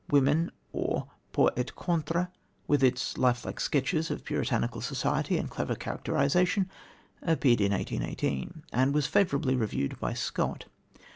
Women, or Pour et Contre, with its lifelike sketches of Puritanical society and clever characterisation, appeared in 1818, and was favourably reviewed by Scott.